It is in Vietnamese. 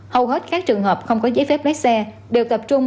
hầu hết các trường hợp không có giấy phép lái xe đều tập trung